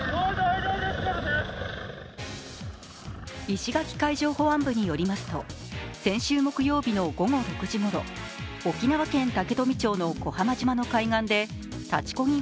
石垣海上保安部によりますと先週木曜日の午後６時ごろ沖縄県竹富町の小浜島の海岸で立ちこぎ